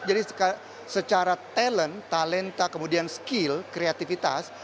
jadi secara talent talenta kemudian skill kreatifitas